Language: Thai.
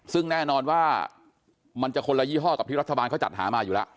ซึ่งแน่นอนว่ามันจะคนละยี่ห้อกับที่รัฐบาลเขาจัดหามาอยู่แล้ว